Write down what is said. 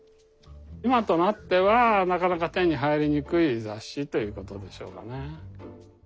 今となってはなかなか手に入りにくい雑誌ということでしょうかね。